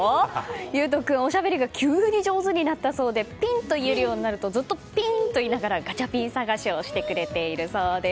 悠翔君、おしゃべりが急に上手になったそうでピンと言えるようになるとずっとピン！と言いながらガチャピン探しをしてくれているそうです。